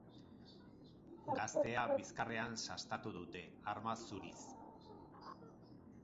Gaztea bizkarrean sastatu dute, arma zuriz.